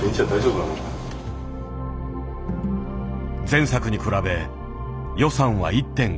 前作に比べ予算は１．５倍。